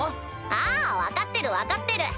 ああ分かってる分かってる。